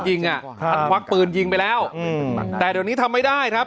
ท่านควักปืนยิงไปแล้วอืมแต่เดี๋ยวนี้ทำไม่ได้ครับ